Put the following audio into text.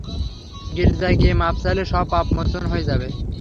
গির্জায় গিয়ে মাফ চাইলে, সব পাপ মোচন হয়ে যাবে।